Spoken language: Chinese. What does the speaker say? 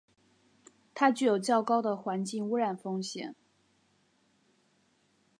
它具有较高的环境污染风险。